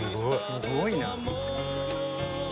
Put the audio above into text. すごいな！